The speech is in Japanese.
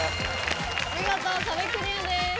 見事壁クリアです。